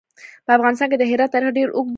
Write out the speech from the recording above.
په افغانستان کې د هرات تاریخ ډېر اوږد دی.